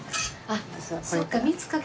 あっそっか。